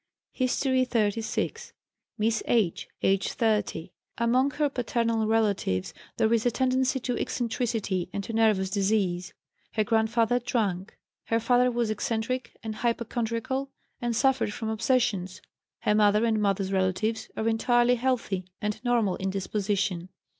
HISTORY XXXVI. Miss H., aged 30. Among her paternal relatives there is a tendency to eccentricity and to nervous disease. Her grandfather drank; her father was eccentric and hypochondriacal, and suffered from obsessions. Her mother and mother's relatives are entirely healthy, and normal in disposition.